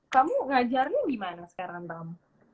kamu ngajarnya gimana sekarang tam